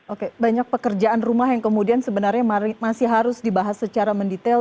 oke banyak pekerjaan rumah yang kemudian sebenarnya masih harus dibahas secara mendetail